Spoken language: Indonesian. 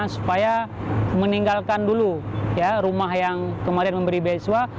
supaya meninggalkan dulu rumah yang kemarin memberi beiswa